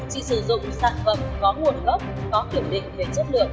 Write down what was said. chỉ sử dụng sản phẩm có nguồn gốc có kiểm định về chất lượng